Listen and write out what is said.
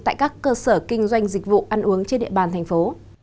tại các cơ sở kinh doanh dịch vụ ăn uống trên địa bàn thành phố